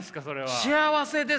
「幸せです。